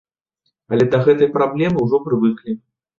Але да гэтай праблемы ўжо прывыклі.